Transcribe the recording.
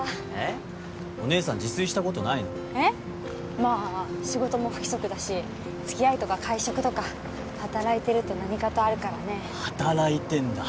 まあ仕事も不規則だしつきあいとか会食とか働いてると何かとあるからね働いてんだ？